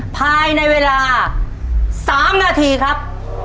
ภายในเวลา๓นาทีครับ